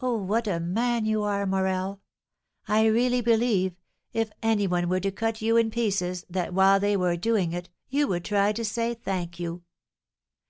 "Oh, what a man you are, Morel! I really believe, if any one were to cut you in pieces, that, while they were doing it, you would try to say, 'Thank you!'"